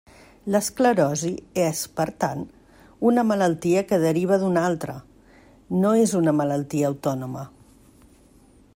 L'esclerosi és, per tant, una malaltia que deriva d'una altra, no és una malaltia autònoma.